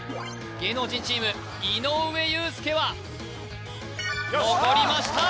芸能人チーム井上裕介は残りました